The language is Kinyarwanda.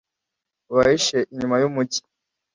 ubahishe inyuma y'umugi